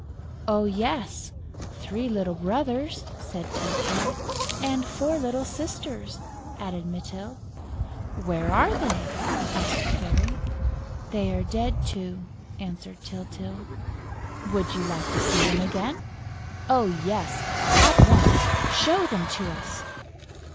"Oh, yes, three little brothers!" said Tyltyl. "And four little sisters," added Mytyl. "Where are they?" asked the Fairy. "They are dead, too," answered Tyltyl. "Would you like to see them again?" "Oh, yes!... At once!... Show them to us!..."